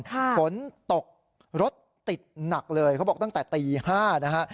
ฝนตกรถติดหนักเลยเขาบอกตั้งแต่ตี๕นะฮะ